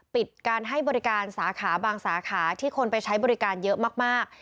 ปิดการให้บริการสาขาบางสาขาที่คนไปใช้บริการเยอะมาก